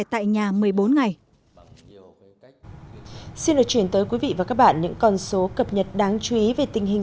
tại nhà một mươi bốn ngày xin được chuyển tới quý vị và các bạn những con số cập nhật đáng chú ý về tình hình